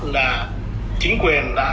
là chính quyền đã